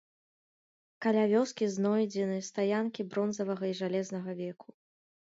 Каля вёскі знойдзены стаянкі бронзавага і жалезнага веку.